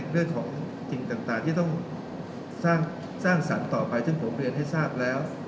เรื่องของสิ่งต่างที่ต้องสร้างสรรค์ต่อไปซึ่งผมเรียนให้ทราบแล้ว